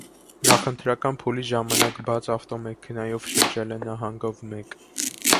Նախընտրական փուլի ժամանակ բաց ավտոմեքենայով շրջել է նահանգով մեկ։